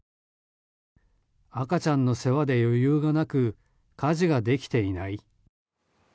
赤ちゃんの世話で余裕がなく家事ができていない。